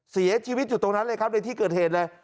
เสียชีวิตอยู่ตรงนั้นเลยครับในที่เกิดเหตุเลย